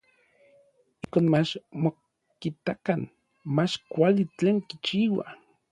Ijkon mach ma kitakan mach kuali tlen kichiua.